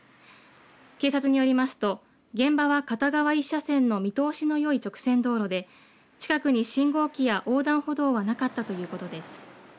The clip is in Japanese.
警察によりますと現場は片側１車線の見通しのよい直線道路で近くに信号機や横断歩道はなかったということです。